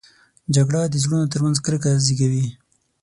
جګړه د زړونو تر منځ کرکه زېږوي